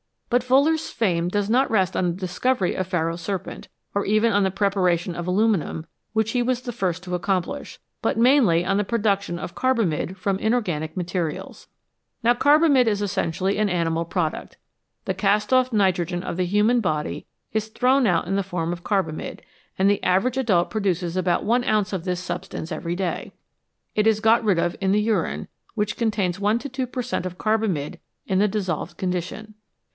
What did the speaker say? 11 But Wohler's fame does not rest on the discovery of Pharaoh's Serpent, or even on the preparation of aluminium, which he was the first to accomplish, but mainly on the production of carbamide from inorganic materials. Now carbamide is essentially an animal product. The cast off nitrogen of the human body is thrown out in the form of carbamide, and the average adult produces about 1 ounce of this substance every day. It is got rid of in the urine, which contains 1 to 2 per cent, of carbamide in the dissolved condition.